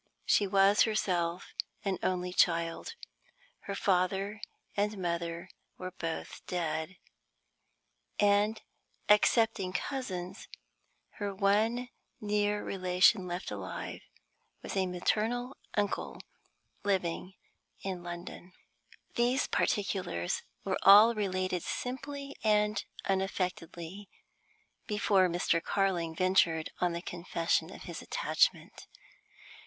She was herself an only child; her father and mother were both dead; and, excepting cousins, her one near relation left alive was a maternal uncle living in London. These particulars were all related simply and unaffectedly before Mr. Carling ventured on the confession of his attachment.